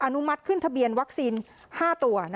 อนุมัติขึ้นทะเบียนวัคซีน๕ตัว